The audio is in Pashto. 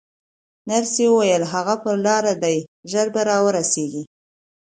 نرسې وویل: هغه پر لار دی، ژر به راورسېږي.